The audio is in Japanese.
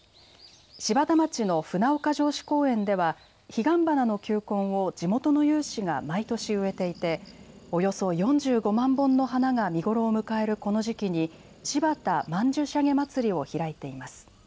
柴田町の船岡城址公園では彼岸花の球根を地元の有志が毎年植えていておよそ４５万本の花が見頃を迎えるこの時期にしばた曼珠沙華まつりを開いています。